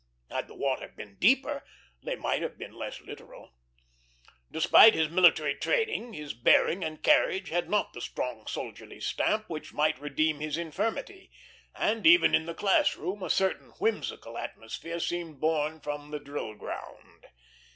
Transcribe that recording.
Had the water been deeper, they might have been less literal. Despite his military training, his bearing and carriage had not the strong soldierly stamp which might redeem his infirmity, and even in the class room a certain whimsical atmosphere seemed borne from the drill ground.